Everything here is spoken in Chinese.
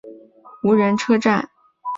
属于由带广车站管理的无人车站。